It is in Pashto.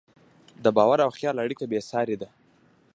د باور او خیال اړیکه بېساري ده.